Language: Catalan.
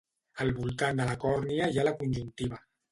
Al voltant de la còrnia hi ha la conjuntiva.